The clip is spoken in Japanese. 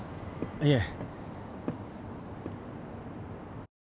いえ。